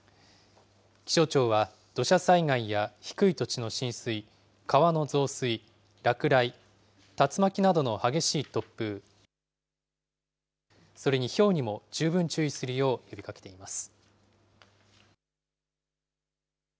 気象庁は土砂災害や低い土地の浸水、川の増水、落雷、竜巻などの激しい突風、それにひょうにも十分注意するよう呼びかけています。